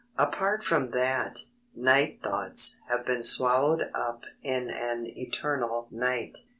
Apart from that, Night Thoughts have been swallowed up in an eternal night.